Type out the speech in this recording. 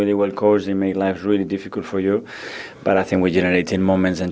tapi saya pikir kita menghasilkan momen dan kemungkinan untuk menang